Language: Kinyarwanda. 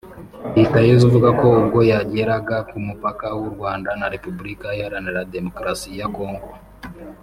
Hitayezu avuga ko ubwo yageraga ku mupaka w’u Rwanda na Repubulika Iharanira Demokarasi ya Congo